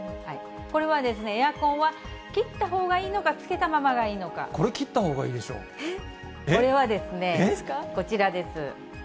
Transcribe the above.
これは、エアコンは切ったほうがこれ、切ったほうがいいでしこれはですね、こちらです。